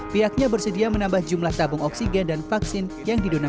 pihaknya bersedia menambah jumlah tabung oksigen dan vaksin yang didominasi